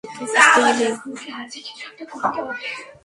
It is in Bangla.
এ প্রশ্নের উত্তর খুঁজতে গিয়েই নিউটনের মনে হলো সূর্যের সাদা আলো মৌলিক নয়।